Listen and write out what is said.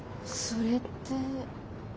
それって。